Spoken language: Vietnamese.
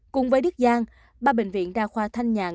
cùng với đức giang ba bệnh viện đa khoa thanh nhàn